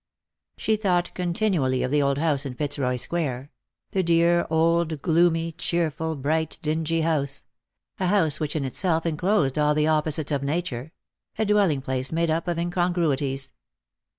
She thought continually of the old house in Fitzroy square ; the dear old gloomy, cheerful, bright, dingy house — a house ivhich in itself enclosed all the opposites of nature — a dwelling place made up of incongruities.